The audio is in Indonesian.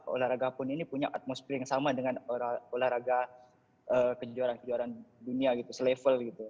olahraga pun ini punya atmosfer yang sama dengan olahraga kejuaraan kejuaraan dunia gitu selevel gitu